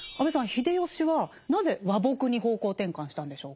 秀吉はなぜ和睦に方向転換したんでしょうか。